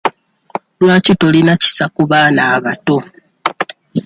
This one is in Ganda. Lwaki tolina kisa ku baana abato?